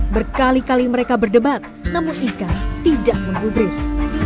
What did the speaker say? berkali kali mereka berdebat namun ika tidak mengubris